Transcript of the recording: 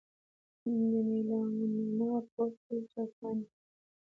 د میلانوما د پوست تور سرطان دی.